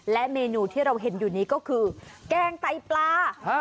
และเมนูที่เราเห็นอยู่นี้ก็คือแกงไตปลา